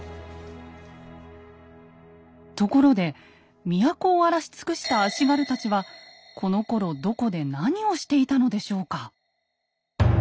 ところで都を荒らし尽くした足軽たちはこのころどこで何をしていたのでしょうか。